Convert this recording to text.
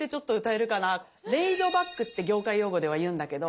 「レイドバック」って業界用語では言うんだけど。